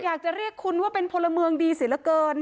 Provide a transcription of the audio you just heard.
อยากจะเรียกคุณว่าเป็นพลเมืองดีเสียเหลือเกิน